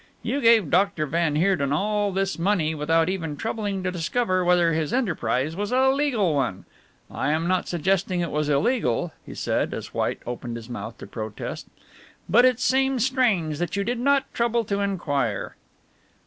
You gave Doctor van Heerden all this money without even troubling to discover whether his enterprise was a legal one. I am not suggesting it was illegal," he said, as White opened his mouth to protest, "but it seems strange that you did not trouble to inquire."